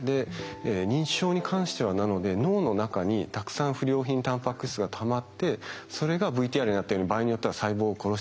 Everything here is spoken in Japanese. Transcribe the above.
認知症に関してはなので脳の中にたくさん不良品タンパク質がたまってそれがＶＴＲにあったように場合によっては細胞を殺してしまう。